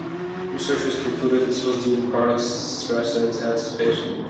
Researchers concluded this was due to chronic stress and its anticipation.